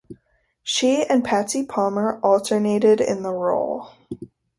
She and Patsy Palmer alternated in the role.